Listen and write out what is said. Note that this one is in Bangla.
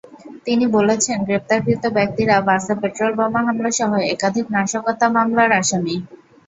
তিনি বলেছেন, গ্রেপ্তারকৃত ব্যক্তিরা বাসে পেট্রলবোমা হামলাসহ একাধিক নাশকতা মামলার আসামি।